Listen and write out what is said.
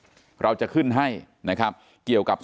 เป็นวันที่๑๕ธนวาคมแต่คุณผู้ชมค่ะกลายเป็นวันที่๑๕ธนวาคม